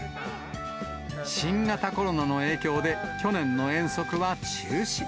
新型コロナの影響で、去年の遠足は中止。